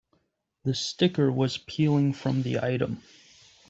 The sticker was peeling from the item.